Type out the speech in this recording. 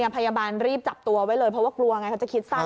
พยาบาลรีบจับตัวไว้เลยเพราะว่ากลัวไงเขาจะคิดสั้น